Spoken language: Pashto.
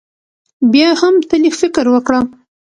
بيا هم تۀ لږ فکر وکړه